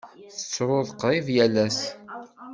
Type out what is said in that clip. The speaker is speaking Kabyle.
Ttruɣ qrib yal ass.